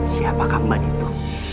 siapa kamban itu